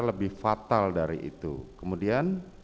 lebih fatal dari itu kemudian